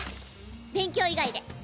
勉強以外で。